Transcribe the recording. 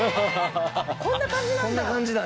こんな感じなんだ。